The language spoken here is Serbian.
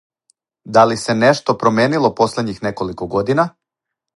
Да ли се нешто променило последњих неколико година?